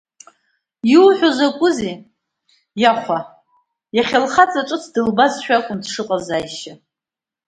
Иуҳәо закәызеи, иахәа, иахьа лхаҵа ҿыц дылбазшәа акәын дшыҟаз Аишьа.